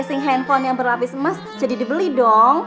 asing handphone yang berlapis emas jadi dibeli dong